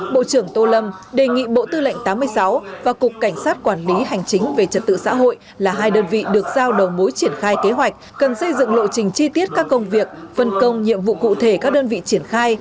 bộ trưởng tô lâm đề nghị bộ tư lệnh tám mươi sáu và cục cảnh sát quản lý hành chính về trật tự xã hội là hai đơn vị được giao đầu mối triển khai kế hoạch cần xây dựng lộ trình chi tiết các công việc phân công nhiệm vụ cụ thể các đơn vị triển khai